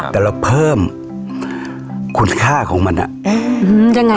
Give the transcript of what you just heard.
แต่เราเพิ่มคุณค่าของมันยังไง